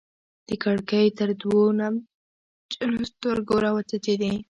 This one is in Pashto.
د کړکۍ تر دوو نمجنو ستوګو راوڅڅيدې